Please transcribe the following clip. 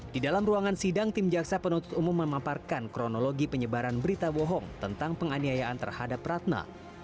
di dalam ruangan sidang tim jaksa penuntut umum memaparkan kronologi penyebaran berita bohong tentang penganiayaan terhadap ratna